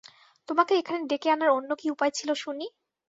তোমাকে এখানে ডেকে আনার অন্য কী উপায় ছিল শুনি?